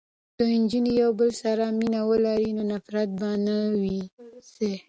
که نجونې یو بل سره مینه ولري نو نفرت به نه وي ځای.